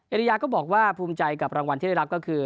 ริยาก็บอกว่าภูมิใจกับรางวัลที่ได้รับก็คือ